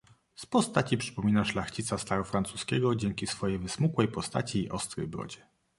"Z postaci przypomina szlachcica starofrancuskiego, dzięki swojej wysmukłej postaci i ostrej brodzie."